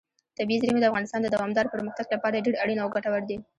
طبیعي زیرمې د افغانستان د دوامداره پرمختګ لپاره ډېر اړین او ګټور دي.